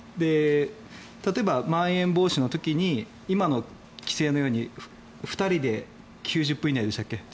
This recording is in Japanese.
例えばまん延防止の時に今の規制のように２人で９０分以内でしたっけ？